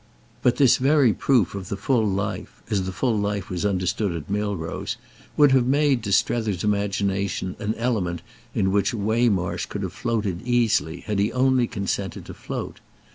But this very proof of the full life, as the full life was understood at Milrose, would have made to Strether's imagination an element in which Waymarsh could have floated easily had he only consented to float.